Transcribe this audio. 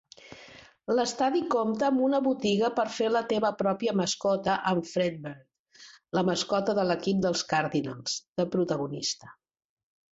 L'estadi compta amb una botiga per fer la teva pròpia mascota amb Fredbird, la mascota de l'equip dels Cardinals, de protagonista.